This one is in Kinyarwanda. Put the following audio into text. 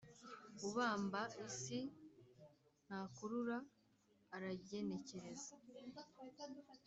Ubamba isi ntakurura aragenekereza